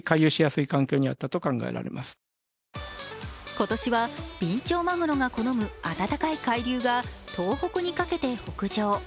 今年はビンチョウマグロが好む暖かい海流が東北にかけて北上。